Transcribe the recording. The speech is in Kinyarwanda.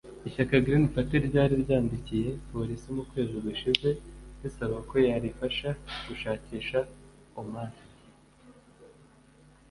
Ishyaka Green Party ryari ryandikiye Polisi mu kwezi gushize risaba ko yarifasha gushakisha Omar